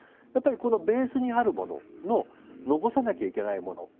やっぱりこのベースにあるものの残さなきゃいけないもの。